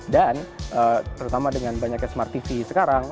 dan terutama dengan banyaknya smart tv sekarang